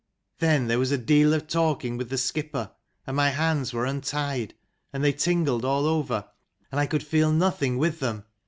222 " Then there was a deal of talking with the skipper, and my hands were untied, and they tingled all over, and I could feel nothing with them.